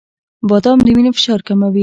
• بادام د وینې فشار کموي.